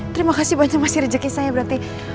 terima kasih banyak mas iri rejeki saya berarti